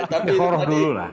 tapi itu tadi